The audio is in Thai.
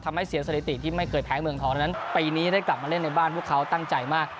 ทำให้เสียสถิติที่ไม่เคยแพ้เมืองทองเท่านั้นปีนี้ได้กลับมาเล่นในบ้านพวกเขาตั้งใจมาก